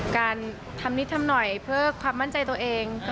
การทำนิดทำหน่อยเพื่อความมั่นใจตัวเอง